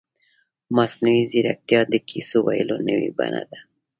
مصنوعي ځیرکتیا د کیسو ویلو نوې بڼه ده.